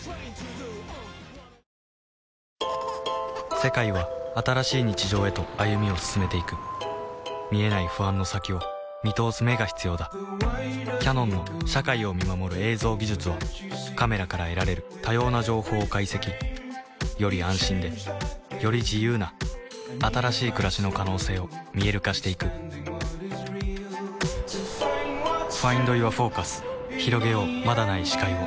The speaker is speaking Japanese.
世界は新しい日常へと歩みを進めていく見えない不安の先を見通す眼が必要だキヤノンの社会を見守る映像技術はカメラから得られる多様な情報を解析より安心でより自由な新しい暮らしの可能性を見える化していくひろげようまだない視界を